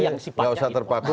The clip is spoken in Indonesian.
yang sifatnya informal